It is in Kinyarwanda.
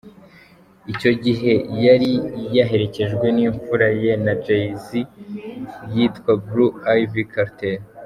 Icyo gihe yari yaherekejwe n’imfura ye na Jay Z yitwa Blue Ivy Carter.